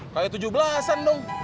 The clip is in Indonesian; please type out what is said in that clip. kayak tujubelasan dong